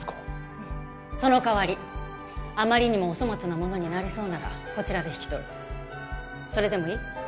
うんその代わりあまりにもお粗末なものになりそうならこちらで引き取るそれでもいい？